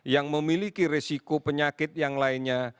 yang memiliki resiko penyakit yang lainnya